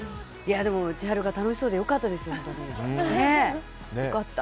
でも千春が楽しそうでよかったです。